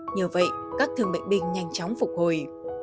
nhờ vậy các thương bệnh binh nhanh chóng phục hồi